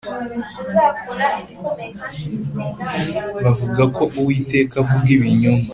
bavugako uwiteka avuga ibinyoma